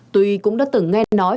tùy cũng đã từng nghe nói